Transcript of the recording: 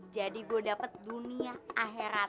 jadi gue dapet dunia akhirat